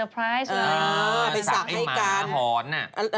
ไปศักดิ์ให้กันศักดิ์ไอ้หมาหอนอ่ะ